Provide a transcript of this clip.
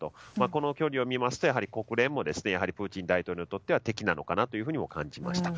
この距離を見ますと、国連もプーチン大統領にとっては敵なのかなと感じました。